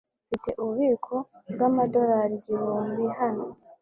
Mfite ububiko bwamadorari igihumbi hano.